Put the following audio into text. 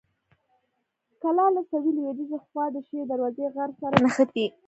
کلا له سویل لویديځې خوا د شیر دروازې غر سره نښتې.